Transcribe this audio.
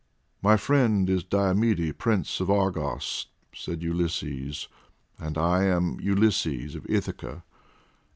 "My friend is Diomede, Prince of Argos," said Ulysses, "and I am Ulysses of Ithaca.